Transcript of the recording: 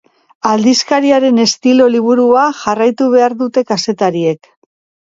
Aldizkariaren estilo-liburua jarraitu behar dute kazetariek.